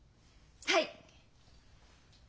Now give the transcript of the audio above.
はい！